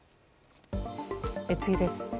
次です。